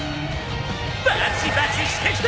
バチバチしてきた！